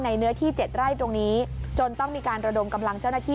เนื้อที่๗ไร่ตรงนี้จนต้องมีการระดมกำลังเจ้าหน้าที่